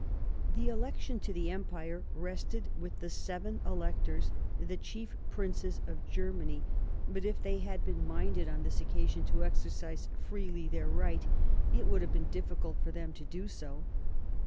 The election to the empire rested with the seven electors, the chief princes of Germany ; but if they had been minded on this occasion to exercise freely their right, it would have been difficult for them to do so.